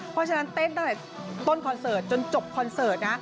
เต้นตั้งแต่ต้นคอนเสิร์ทจนจบคอนเสิร์ทนะ